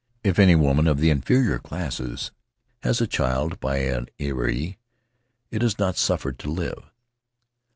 If any woman of the inferior classes has a child by an Earee it is not suffered to live."